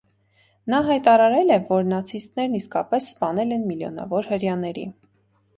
Նա հայտարարել է, որ «նացիստներն իսկապես սպանել են միլիոնավոր հրեաների»։